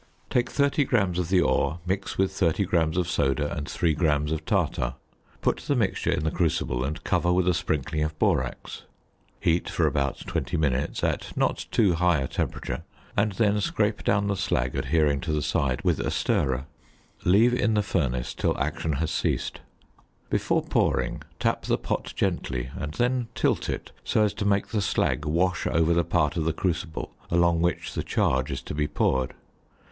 Take 30 grams of the ore, mix with 30 grams of "soda" and 3 grams of tartar; put the mixture in the crucible, and cover with a sprinkling of borax; heat for about twenty minutes at not too high a temperature, and then scrape down the slag adhering to the side with a stirrer. Leave in the furnace till action has ceased. Before pouring, tap the pot gently, and then tilt it so as to make the slag wash over the part of the crucible along which the charge is to be poured.